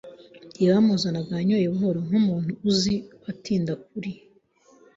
igihe bamuzanaga, yanyoye buhoro, nkumuntu uzi, atinda kuri